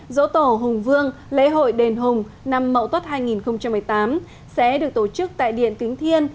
dỗ tổ hùng vương lễ hội đền hùng năm mậu tuất hai nghìn một mươi tám sẽ được tổ chức tại điện kính thiên